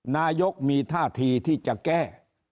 นายกมีท่าทีที่จะแก้